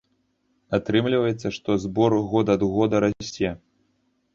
Атрымліваецца, што збор год ад года расце.